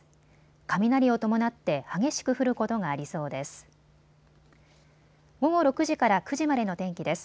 雷を伴って激しく降ることがありそうです。